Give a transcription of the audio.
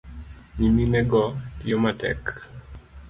Nyiminego tiyo matek